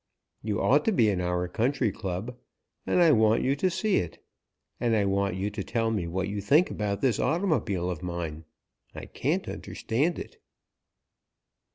You ought to be in our Country Club, and I want you to see it, and I want you to tell me what you think about this automobile of mine. I can't understand it!"